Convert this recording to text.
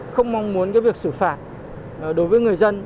không mong muốn việc xử phạt đối với người dân